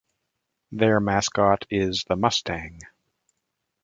Their mascot is the Mustang.